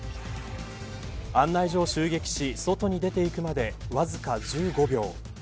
案内所を襲撃し外に出ていくまでわずか１５秒。